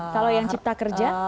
kalau yang cipta kerja